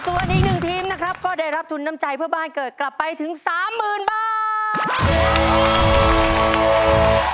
ส่วนอีกหนึ่งทีมนะครับก็ได้รับทุนน้ำใจเพื่อบ้านเกิดกลับไปถึงสามหมื่นบาท